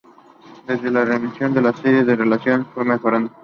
Desde la reanudación de la serie la relación fue mejorando.